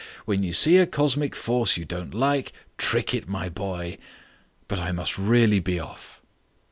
When you see a cosmic force you don't like, trick it, my boy. But I must really be off."